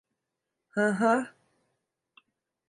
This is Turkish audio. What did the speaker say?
Hı hı.